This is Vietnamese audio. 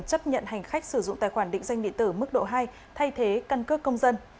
chấp nhận hành khách sử dụng tài khoản định danh điện tử mức độ hai thay thế căn cước công dân